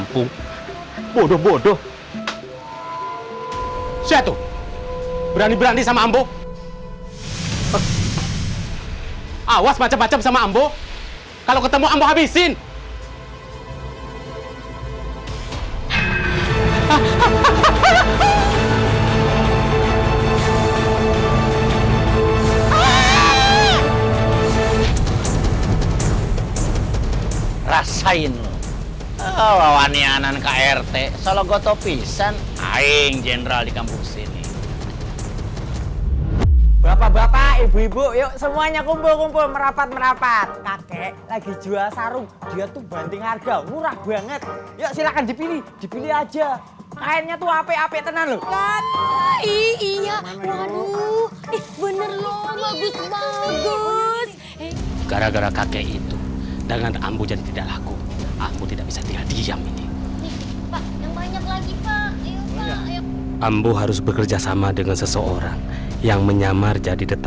tuh shoulder to cry on teteh teo teo eh pak rt nggak usah nyanyi nafas aja pals daripada saya nangis di